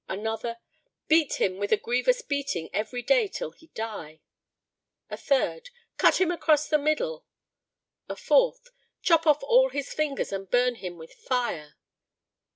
Another, "Beat him with a grievous beating every day till he die." A third, "Cut him across the middle." A fourth, "Chop off all his fingers and burn him with fire."